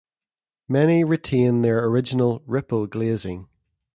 Many retain their original "ripple" glazing.